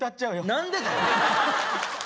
何でだよ！